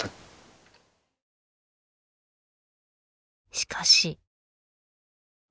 しかし。